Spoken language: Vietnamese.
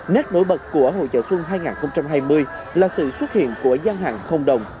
nét nổi bật của hội chợ xuân hai nghìn hai mươi là sự xuất hiện của gian hàng không đồng